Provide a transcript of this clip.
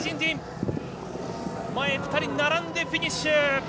前２人が並んでフィニッシュ！